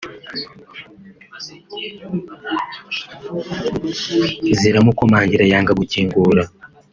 ziramukomangira yanga gukingura